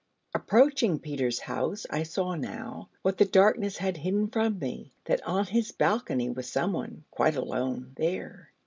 Approaching Peters' house I saw now, what the darkness had hidden from me, that on his balcony was someone quite alone there.